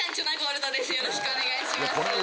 よろしくお願いします。